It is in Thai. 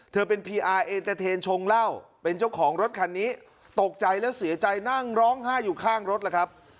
เธอเป็นเป็นเจ้าของรถขันนี้ตกใจแล้วเสียใจนั่งร้องห้าอยู่ข้างรถล่ะครับ